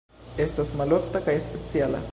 Estas malofta kaj speciala.